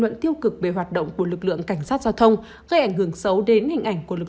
thường thức về hoạt động của lực lượng cảnh sát giao thông gây ảnh hưởng xấu đến hình ảnh của lực